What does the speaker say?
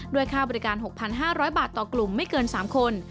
ค่าบริการ๖๕๐๐บาทต่อกลุ่มไม่เกิน๓คน